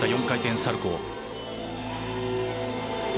４回転サルコー。